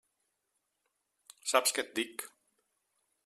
Saps què et dic?